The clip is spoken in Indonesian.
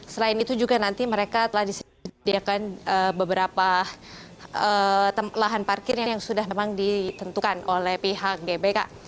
selain itu juga nanti mereka telah disediakan beberapa lahan parkir yang sudah memang ditentukan oleh pihak gbk